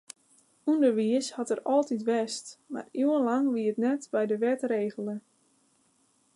Underwiis hat der altyd west, mar iuwenlang wie it net by de wet regele.